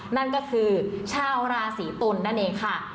นั่นก็คือชาวราศีตุลนั่นเองค่ะ